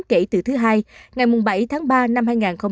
kể từ thứ hai ngày bảy tháng ba năm hai nghìn hai mươi